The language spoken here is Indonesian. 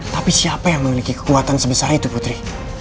tapi siapa yang memiliki kekuatan sebesar itu putri